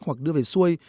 hoặc đưa về xuôi